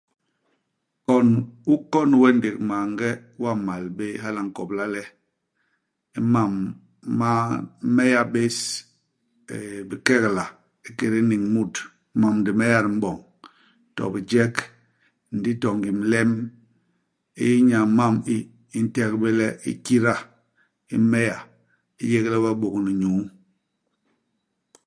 Kon u kon we ndék maange, u gamal bé. Hala a nkobla le imam ma m'meya bés euh bikekeka, ikédé niñ i mut ; imam di m'meya di m'boñ, to bijek, ndi to ngim lem, inya i mam i, i nték bé le i kida i m'méya, i yégle we bôt-ni-nyuu.